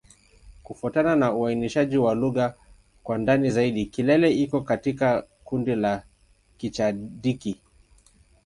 Kufuatana na uainishaji wa lugha kwa ndani zaidi, Kilele iko katika kundi la Kichadiki.